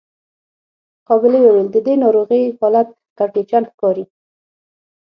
قابلې وويل د دې ناروغې حالت کړکېچن ښکاري.